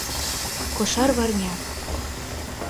Кошарварня